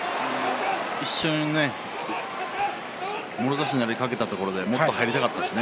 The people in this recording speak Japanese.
一瞬もろ差しになりかけたところでもっと入りたかったですね